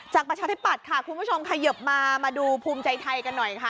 ประชาธิปัตย์ค่ะคุณผู้ชมขยิบมามาดูภูมิใจไทยกันหน่อยค่ะ